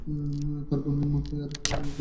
তোর বোনের মতোই আরেকটা মেয়েকে কিডন্যাপ করা হয়েছে।